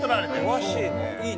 詳しいね。